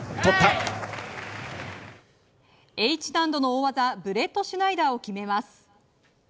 Ｈ難度の大技ブレットシュナイダーを決めます。